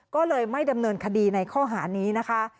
ก็เลยไม่ดำเนินคดีในข้อหานี้นะคะ